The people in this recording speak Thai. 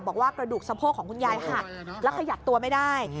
กระดูกสะโพกของคุณยายหักแล้วขยับตัวไม่ได้